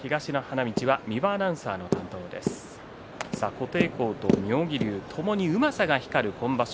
琴恵光と妙義龍ともにうまさが光る今場所